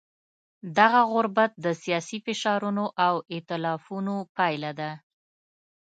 دغه غربت د سیاسي فشارونو او ایتلافونو پایله ده.